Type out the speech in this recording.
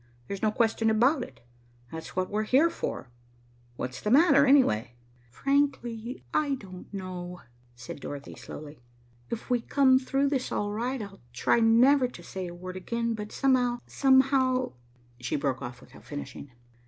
"There's no question about it. That's what we're here for. What's the matter, anyway?" "Frankly, I don't know," said Dorothy slowly. "If we come through this all right, I'll try never to say a word again, but somehow, somehow " She broke off without finishing.